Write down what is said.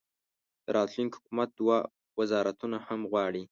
د راتلونکي حکومت دوه وزارتونه هم غواړي.